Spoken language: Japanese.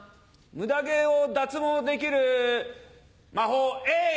ムダ毛を脱毛できる魔法えい！